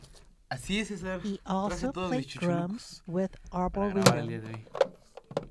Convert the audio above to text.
He also played drums with Arbouretum.